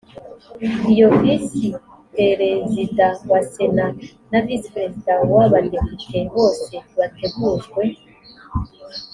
iyo visi perezida wa sena na visi perezida w’ abadepite bose begujwe